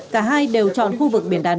cả hai đều chọn khu vực biển đà nẵng